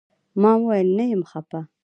ما وويل نه يم خپه.